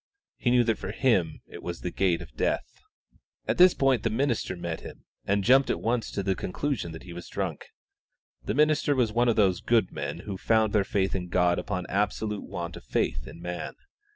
He knew that for him it was the gate of death. At this point the minister met him, and jumped at once to the conclusion that he was drunk. The minister was one of those good men who found their faith in God upon absolute want of faith in man.